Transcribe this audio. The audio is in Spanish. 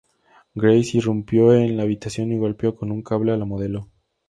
Grace irrumpió en la habitación y golpeó con un cable a la modelo.